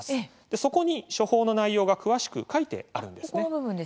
そこに処方の内容が詳しく書いてあるんですね。